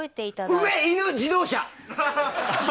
梅、犬、自動車！